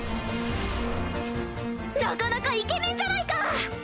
なかなかイケメンじゃないか！